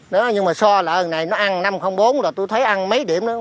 nhưng mà so lại này nó ăn năm trăm linh bốn rồi tôi thấy ăn mấy điểm nữa